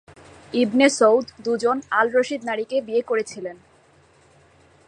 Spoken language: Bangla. ইবনে সৌদ দুইজন আল রাশিদ নারীকে বিয়ে করেছিলেন।